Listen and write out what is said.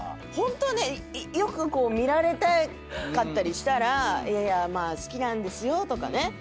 ホントね良く見られたかったりしたらまあ好きなんですよとかね。